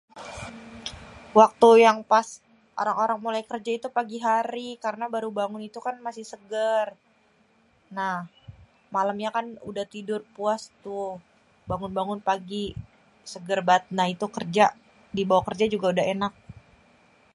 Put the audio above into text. waktu yang pas orang-orang mulai kerja itu pas pagi karna baru bangun itu kan masi seger nah malemnyé kan udah tidur puas tuh bangun-bangun pagi seger bat nah itu dibawa kerja juga enak